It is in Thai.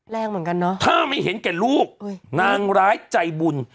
แรงเหมือนกันเนอะถ้าไม่เห็นแก่ลูกนางร้ายใจบุญ